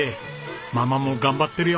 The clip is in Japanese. ママも頑張ってるよ！